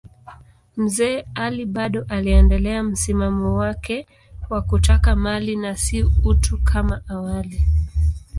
Mzee Ali bado aliendelea msimamo wake wa kutaka mali na si utu kama awali.